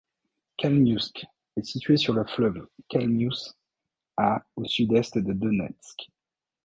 Kalmiouske est située sur le fleuve Kalmious, à au sud-est de Donetsk.